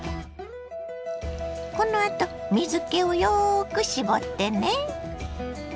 このあと水けをよく絞ってね。